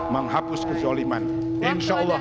menghapus kejoliman insya allah